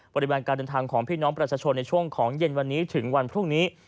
ปริมาณการเดินทางของพี่น้องประชาชนในช่วงของเย็นวันนี้ถึงวันพรุ่งนี้